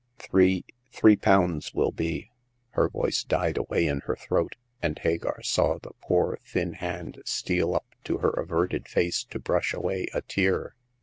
Three — three pounds will be " Her voice died away in her throat: and Hagar saw her poor thin hand steal up to her averted face to brush away a tear.